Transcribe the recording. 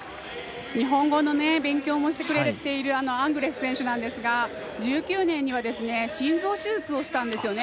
日本語の勉強もしてくれているアングレス選手なんですが１９年には、心臓手術をしたんですよね。